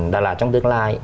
đà lạt trong tương lai